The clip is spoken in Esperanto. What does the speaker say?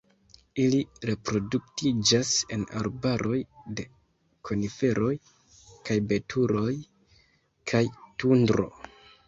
Ili reproduktiĝas en arbaroj de koniferoj kaj betuloj kaj tundro.